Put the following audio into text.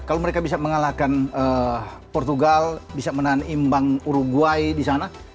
kalau mereka bisa mengalahkan portugal bisa menahan imbang uruguay di sana